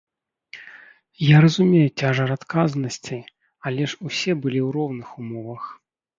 Я разумею цяжар адказнасці, але ж усе былі ў роўных умовах.